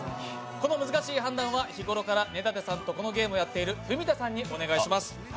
この難しい判断は日頃から根建さんとこのゲームをやっている文田さんにお願いします。